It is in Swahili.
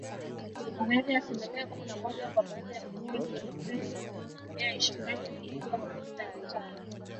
Kwa zaidi ya asilimia kumi na moja kwa bidhaa ya petroli na dizeli, na asilimia ishirini na moja kwa mafuta ya taa.